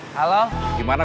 halam halam halam